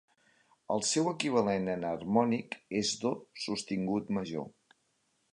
El seu equivalent enharmònic és do sostingut major.